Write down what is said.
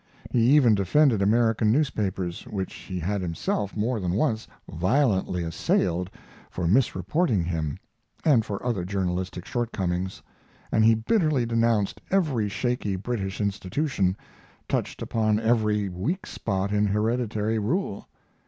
He even defended American newspapers, which he had himself more than once violently assailed for misreporting him and for other journalistic shortcomings, and he bitterly denounced every shaky British institution, touched upon every weak spot in hereditary rule.